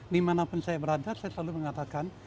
dimanapun saya berada saya selalu mengatakan